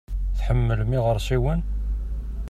Tḥemmlem iɣersiwen?